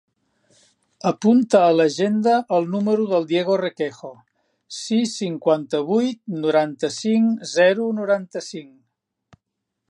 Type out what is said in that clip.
Apunta a l'agenda el número del Diego Requejo: sis, cinquanta-vuit, noranta-cinc, zero, noranta-cinc.